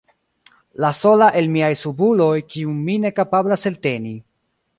La sola el miaj subuloj, kiun mi ne kapablas elteni.